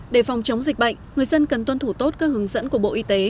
để phòng chống dịch bệnh người dân cần tuân thủ tốt các hướng dẫn của bộ y tế